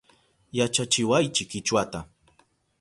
Yachachiwaychi Kichwata